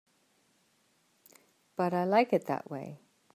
But I like it that way.